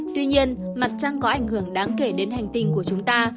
tuy nhiên mặt trăng có ảnh hưởng đáng kể đến hành tình của chúng ta